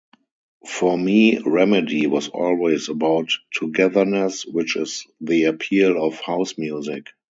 "For me, "Remedy" was always about togetherness, which is the appeal of house music.